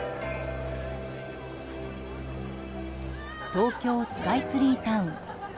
東京スカイツリータウン。